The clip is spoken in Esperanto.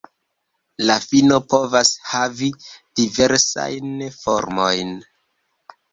La fino povas havi diversajn formojn.